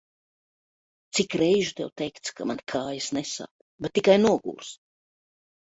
Cik reižu tev teikts, ka man kājas nesāp, bet tikai nogurst.